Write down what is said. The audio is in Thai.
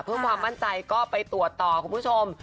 เพื่อความมั่นใจก็ไปตรวจต่อคุณผู้ชม